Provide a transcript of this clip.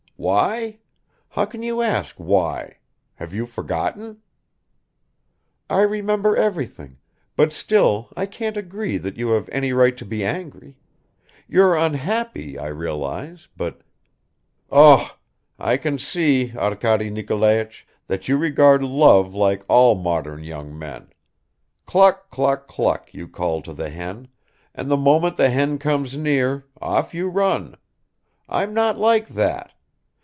"Why? How can you ask why? Have you forgotten?" "I remember everything, but still I can't agree that you have any right to be angry. You're unhappy, I realize, but ..." "Ugh! I can see, Arkady Nikolaich, that you regard love like all modern young men; cluck, cluck, cluck, you call to the hen, and the moment the hen comes near, off you run! I'm not like that.